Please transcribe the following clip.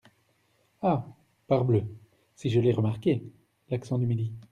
Ah ! parbleu ! si je l’ai remarqué… l’accent du midi.